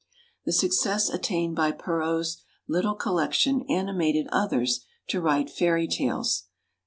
The success attained by Perrault's little collection animated others to write Fairy Tales.